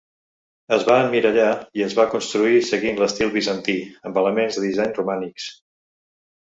Es va emmirallar i es va construir seguint l'estil bizantí, amb elements de disseny romànics.